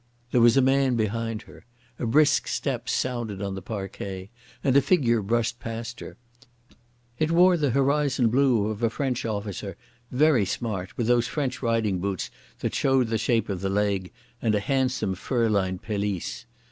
There was a man behind her. A brisk step sounded on the parquet, and a figure brushed past her. It wore the horizon blue of a French officer, very smart, with those French riding boots that show the shape of the leg, and a handsome fur lined pelisse.